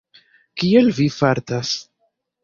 Kiel Vi fartas?